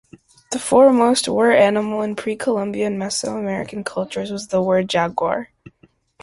The foremost were-animal in pre-Columbian Mesoamerican cultures was the were-jaguar.